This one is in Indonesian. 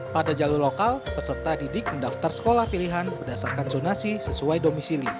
pada jalur lokal peserta didik mendaftar sekolah pilihan berdasarkan zonasi sesuai domisili